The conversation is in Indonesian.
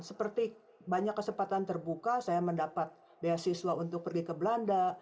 seperti banyak kesempatan terbuka saya mendapat beasiswa untuk pergi ke belanda